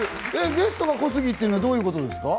ゲストが小杉ってのはどういうことですか？